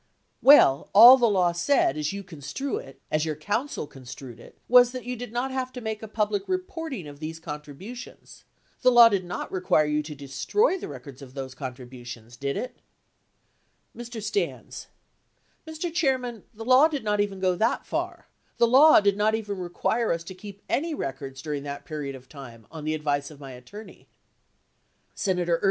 Well, all the law said, as you construe it, as your counsel construed it, was that you did not have to make a public reporting of these contributions. The law did not require you to destroy the records of those contributions, did it? Mr. Stans. Mr. Chairman, the law did not even go that far. The law did not even require us to keep any records dur ing that period of time, on the advice of my attorney. 91 See attachment No. 1, p. 899. 02 See Gartner/Dash correspondence, 25 Hearings 11816.